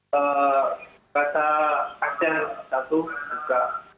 kata akses satu enggak